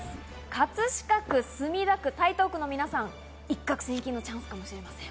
葛飾区、墨田区、台東区の皆さん、一攫千金のチャンスかもしれません。